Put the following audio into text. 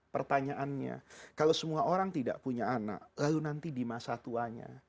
pertanyaannya kalau semua orang tidak punya anak lalu nanti di masa tuanya